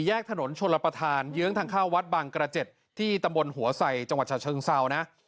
แยกถนนชนรับประธานเยื้องทางข้าววัดบังกระเจ็ดที่ตำบลหัวใสจังหวัดชาวเชิงเศร้านะ